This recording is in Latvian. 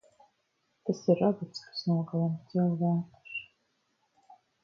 Tas ir robots, kas nogalina cilvēkus.